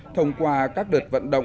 thông qua các đợt vận động